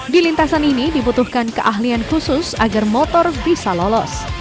di lintasan ini dibutuhkan keahlian khusus agar motor bisa lolos